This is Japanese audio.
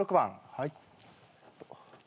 はい。